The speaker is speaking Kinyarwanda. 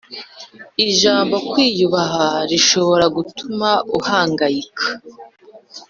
Ijambo kwiyubaha rishobora gutuma uhangayika